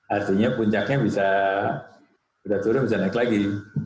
artinya puncaknya bisa sudah turun bisa naik lagi